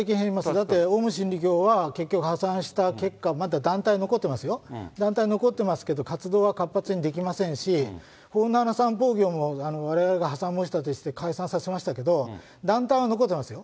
だって、オウム真理教は、結局破産した結果、まだ団体残ってますよ、団体残ってますけど、活動は活発にできませんし、はわれわれ破産申し立てをして解散させましたけど、団体は残ってますよ。